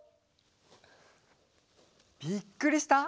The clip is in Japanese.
びっくりした？